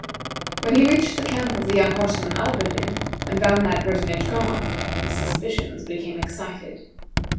When he reached the camp of the young horseman, Alberdin, and found that personage gone, his suspicions became excited.